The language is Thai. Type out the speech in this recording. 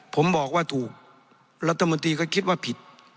ผมบอกว่าถูกแล้วตมติก็คิดว่าผิด